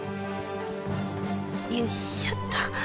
よいしょっと。